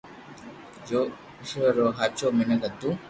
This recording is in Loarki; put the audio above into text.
جو اآݾور رو ھاچو مينک ھتو